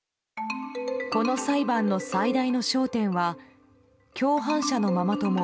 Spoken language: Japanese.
この裁判の最大の焦点は共犯者のママ友